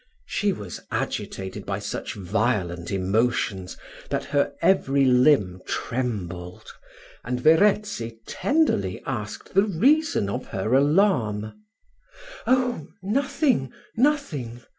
She was agitated by such violent emotions, that her every limb trembled, and Verezzi tenderly asked the reason of her alarm. "Oh! nothing, nothing!"